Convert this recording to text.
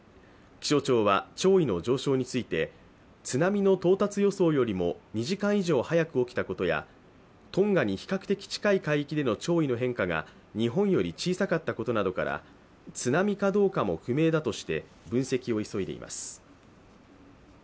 気象庁は潮位の上昇について津波の到達予想よりも２時間以上早く起きたことやトンガに比較的近い海域での潮位の変化が日本より小さかったことなどから津波かどうかも不明だとして分析を急いでいます。